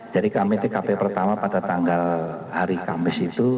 jadi kami tkp pertama pada tanggal hari kamis itu